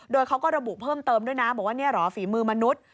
โดยเขาก็ระบุเพิ่มเติมด้วยนะบอกว่านี่เหรอฝีมือมนุษย์